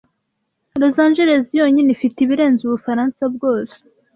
Los Angeles yonyine ifite ibirenze Ubufaransa bwose